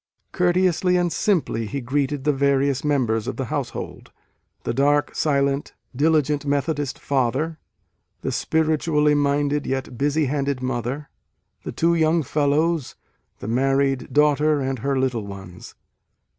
Courteously and simply he greeted the various members of the household, the dark, silent, diligent Methodist father, the spiritually minded yet busy handed mother, the two young fellows, the married daughter and her little ones.